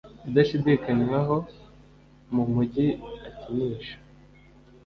idashidikanywaho mumujyi Akinisha